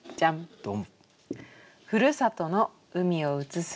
ドン。